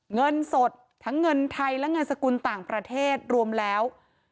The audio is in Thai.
เงินสดทั้งเงินไทยและเงินสกุลต่างประเทศรวมแล้ว